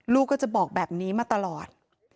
ลูกก็จะบอกแบบนี้มาตลอด